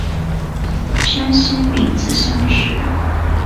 山西丙子乡试。